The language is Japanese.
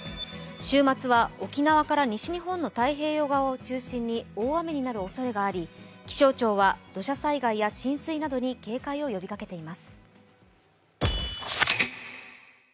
週末は沖縄から西日本の太平洋側を中心に大雨になるおそれがあり気象庁は土砂災害や浸水などに警戒を呼びかけています。